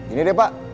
ini deh pak